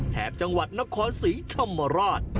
แถบจังหวัดนครศรีธรรมราช